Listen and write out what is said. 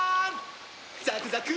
ザクザク！